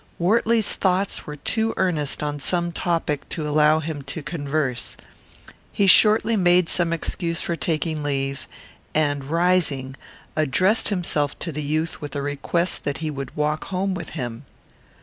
Wortley's thoughts were too earnest on some topic to allow him to converse. He shortly made some excuse for taking leave, and, rising, addressed himself to the youth with a request that he would walk home with him.